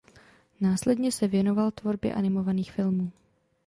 Následně se věnoval tvorbě animovaných filmů.